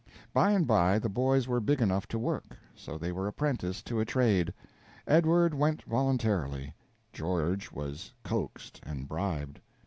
By and by the boys were big enough to work, so they were apprenticed to a trade: Edward went voluntarily; George was coaxed and bribed.